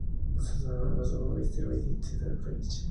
Susan was always ready to replenish the wallets and fill the cans.